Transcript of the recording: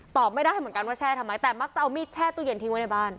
ไม่ได้เหมือนกันว่าแช่ทำไมแต่มักจะเอามีดแช่ตู้เย็นทิ้งไว้ในบ้าน